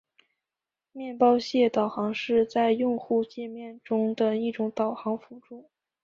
面包屑导航是在用户界面中的一种导航辅助。